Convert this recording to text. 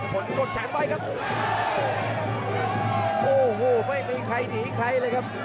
กดแขนไว้ครับโอ้โหไม่มีใครหนีใครเลยครับ